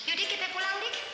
jadi kita pulang dik